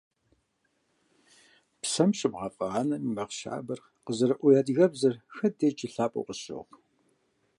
Псэм щыбгъафӀэ анэм и макъ щабэр къызэрыӀу уи адыгэбзэр хэт дежкӀи лъапӀэу къысщохъу.